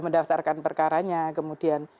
mendaftarkan perkaranya kemudian